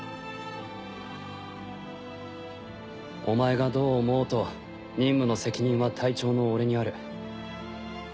お前がどう思おうと任務の責任は隊長の俺にある。